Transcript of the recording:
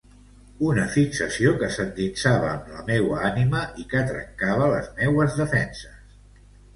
Una fixació que s'endinsava en la meua ànima i que trencava les meues defenses.